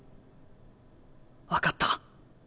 分かった。